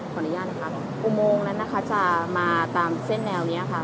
ขออนุญาตนะคะอุโมงนั้นนะคะจะมาตามเส้นแนวนี้ค่ะ